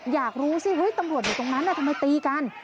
อยากรู้สิตำรวจอยู่ตรงนั้นทำไมตีกัน